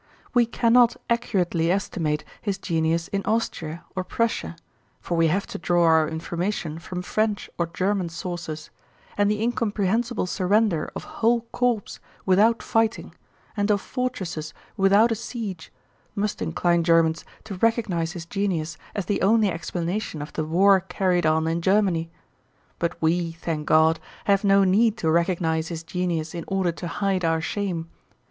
We cannot accurately estimate his genius in Austria or Prussia, for we have to draw our information from French or German sources, and the incomprehensible surrender of whole corps without fighting and of fortresses without a siege must incline Germans to recognize his genius as the only explanation of the war carried on in Germany. But we, thank God, have no need to recognize his genius in order to hide our shame.